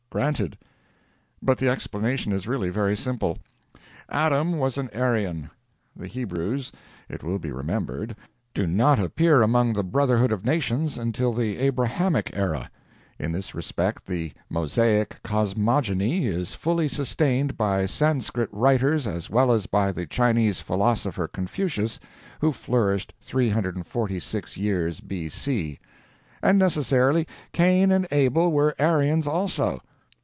Granted. But the explanation is really very simple. Adam was an Aryan, [ The Hebrews, it will be remembered, do not appear among the brotherhood of nations until the Abrahamic era. In this respect the Mosaic cosmogony is fully sustained by Sanscrit writers as well as by the Chinese philosopher Confucius, who flourished 346 years B.C.] and necessarily, Cain and Abel were Aryans also.